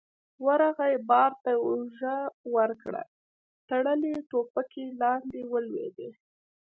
ورغی، بار ته يې اوږه ورکړه، تړلې ټوپکې لاندې ولوېدې.